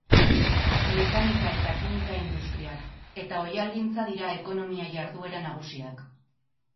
Mekanika- eta kimika-industriak eta oihalgintza dira ekonomia-jarduera nagusiak.